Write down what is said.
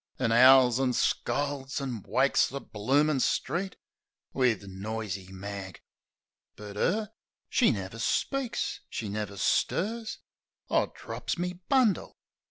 An' 'owls an' scolds an' wakes the bloomin' street Wiv noisy mag. But 'er — she never speaks ; she never stirs ... I drops me bundle